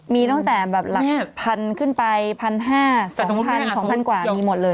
มีตั้งแต่แบบหลักพันขึ้นไปพันห้าสองพันสองพันกว่ามีหมดเลย